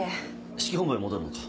指揮本部へ戻るのか？